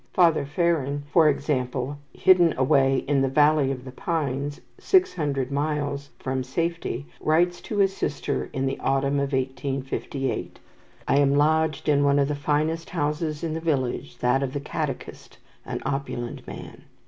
Father Feron, for example, hidden away in the "Valley of the Pines," six hundred miles from safety, writes to his sister in the autumn of 1858: "I am lodged in one of the finest houses in the village, that of the catechist, an opulent man.